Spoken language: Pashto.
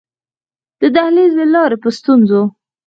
د دهلېز له لارې په ستونزو.